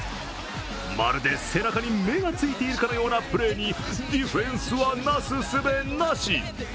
まるで背中に目がついているかのようなプレーにディフェンスはなすすべなし。